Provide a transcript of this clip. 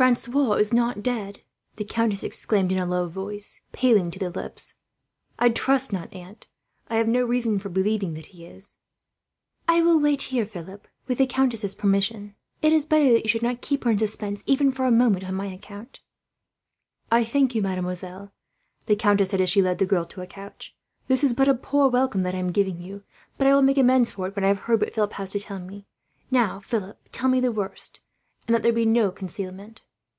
"Francois is not dead?" the countess exclaimed in a low voice, paling to the lips. "I trust not, aunt. I have no reason for believing that he is." "I will wait here, Philip, with the countess's permission," Claire said. "It is better that you should not keep her in suspense, even for a moment, on my account." "I thank you, mademoiselle," the countess said, as she led the girl to a couch. "This is but a poor welcome that I am giving you; but I will make amends for it, when I have heard what Philip has to tell me. "Now, Philip, tell me the worst, and let there be no concealment."